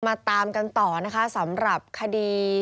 ตามกันต่อนะคะสำหรับคดี